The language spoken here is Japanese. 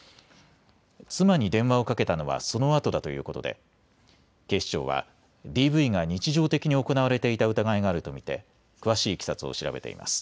妻に電話をかけたのはそのあとだということで警視庁はＤＶが日常的に行われていた疑いがあると見て詳しいいきさつを調べています。